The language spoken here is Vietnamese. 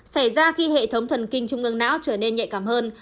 xảy ra khi hệ thống thần kinh trung ương não trở nên nhạy cảm hơn